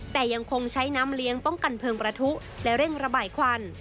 แต่ยังคงใช้น้ำเลี้ยงป้องกันเพลิงประทุและเร่งระบายควัน